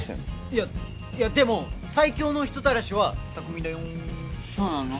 いやいやでも最強の人たらしは巧だよそうなの？